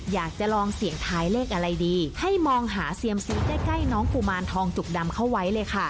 อยากจะลองเสี่ยงท้ายเลขอะไรดีให้มองหาเซียมซีใกล้น้องกุมารทองจุกดำเข้าไว้เลยค่ะ